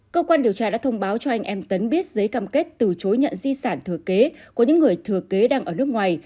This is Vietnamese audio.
cơ quan điều tra đã thông báo cho anh em tấn biết giấy cam kết từ chối nhận di sản thừa kế của những người thừa kế đang ở nước ngoài